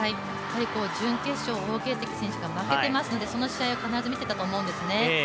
準決勝、王ゲイ迪選手が負けていますので、その試合を必ず見ていたと思うんですね。